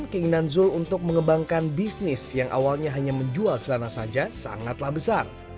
keinginan zul untuk mengembangkan bisnis yang awalnya hanya menjual celana saja sangatlah besar